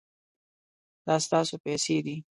دا ستاسو پیسې دي